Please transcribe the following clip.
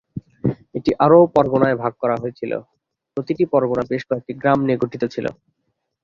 এটি আরও পরগনায় ভাগ করা হয়েছিল; প্রতিটি পরগনা বেশ কয়েকটি গ্রাম নিয়ে গঠিত ছিল।